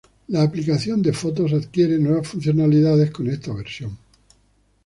La aplicación de Fotos adquiere nuevas funcionalidades con esta versión.